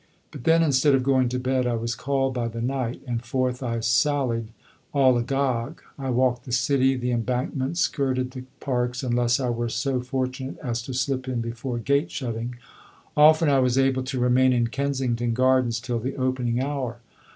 But then, instead of going to bed, I was called by the night, and forth I sallied all agog. I walked the city, the embankment, skirted the parks, unless I were so fortunate as to slip in before gate shutting. Often I was able to remain in Kensington Gardens till the opening hour.